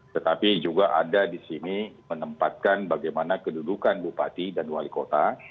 tetapi juga ada di sini menempatkan bagaimana kedudukan bupati dan wali kota